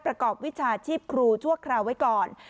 ประกอบวิชาชีพครูชั่วคราวไว้ก่อน